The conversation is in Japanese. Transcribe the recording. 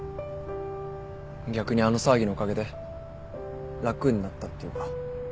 逆にあの騒ぎのおかげで楽になったっていうか。